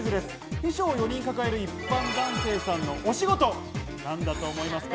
秘書を４人抱える一般男性さんのお仕事、何だと思いますか？